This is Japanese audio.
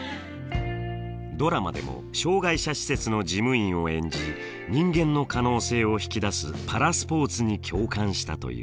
ドラマでも障害者施設の事務員を演じ人間の可能性を引き出すパラスポーツに共感したという。